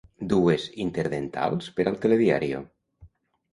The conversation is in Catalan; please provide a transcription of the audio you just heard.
Dues interdentals per al Telediario.